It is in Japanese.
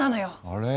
あれ？